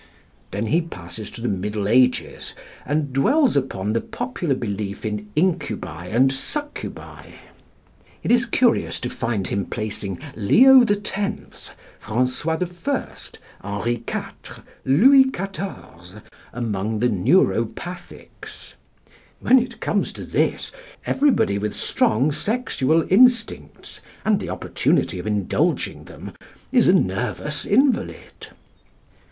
Then he passes to the middle ages, and dwells upon the popular belief in incubi and succubi. It is curious to find him placing Leo X., François I., Henri IV., Louis XIV., among the neuropathics. When it comes to this, everybody with strong sexual instincts, and the opportunity of indulging them, is a nervous invalid.